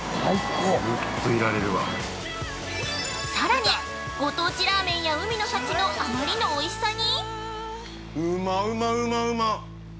さらに、ご当地ラーメンや海の幸のあまりのおいしさに。